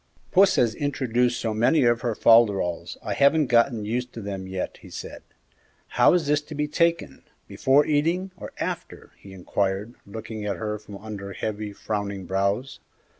"Puss has introduced so many of her folderols I haven't got used to them yet," he said. "How is this to be taken, before eating, or after?" he inquired, looking at her from under heavy, frowning brows.